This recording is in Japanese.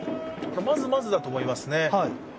まずまずだと思いますね。